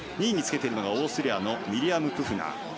２位につけているのがオーストリアのミリアム・プフナー。